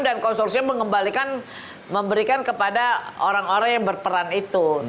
dan konsorsium mengembalikan memberikan kepada orang orang yang berperan itu